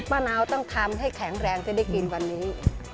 มะนาวต้องทำให้แข็งแรงจะได้กินวันนี้